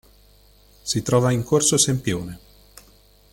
Si trova in corso Sempione.